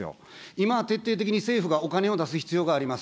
今、徹底的に政府がお金を出す必要があります。